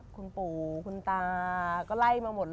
คุณปู่คุณตาก็ไล่มาหมดเลย